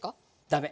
ダメ。